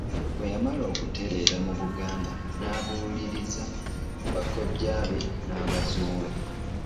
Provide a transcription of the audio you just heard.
Bwe yamala okutereera ku Buganda n'abuuliriza bakojjaabe n'aba-zuula.